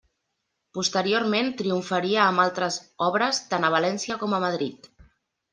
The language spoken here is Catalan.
Posteriorment triomfaria amb altres obres tant a València com a Madrid.